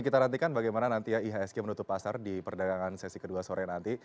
kita nantikan bagaimana nanti ihsg menutup pasar di perdagangan sesi kedua sore nanti